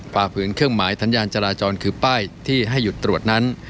ฝ่าฝืนเครื่องหมายสัญญาณจราจรคือป้ายที่ให้หยุดตรวจนั้น